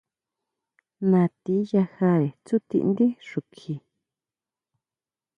Natí yajare tsutindí xukjí.